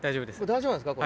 大丈夫なんですか？